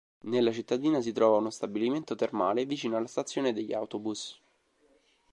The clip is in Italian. Nella cittadina si trova uno stabilimento termale vicino alla stazione degli autobus.